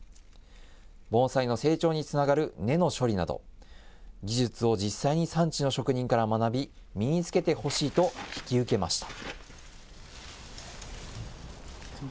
盆栽の成長につながる根の処理など、技術を実際に産地の職人から学び、身につけてほしいと引き受けました。